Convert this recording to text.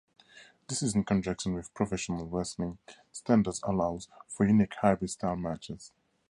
This in conjunction with professional wrestling standards allows for unique hybrid-style matches.